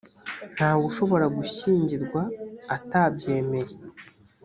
ntawe ushobora gushyingirwa atabyemeye